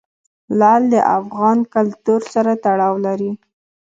لعل د افغان کلتور سره تړاو لري.